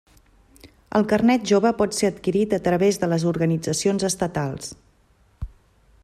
El Carnet Jove pot ser adquirit a través de les organitzacions estatals.